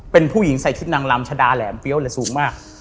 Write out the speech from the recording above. เป็นผู้หญิงใส่ชุดนางลำชะดาแหลมเฟี้ยวเลยสูงมาก